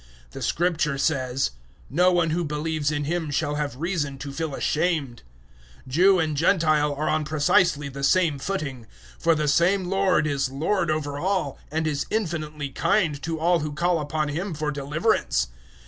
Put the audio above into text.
010:011 The Scripture says, "No one who believes in Him shall have reason to feel ashamed." 010:012 Jew and Gentile are on precisely the same footing; for the same Lord is Lord over all, and is infinitely kind to all who call upon Him for deliverance.